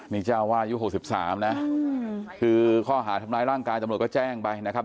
นี่เจ้าว่ายู่หกสิบสามนะคือข้อหาทำลายร่างกายจำลูกก็แจ้งไปนะครับ